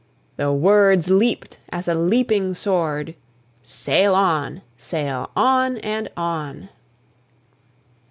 The words leaped as a leaping sword: "Sail on! sail on! and on!"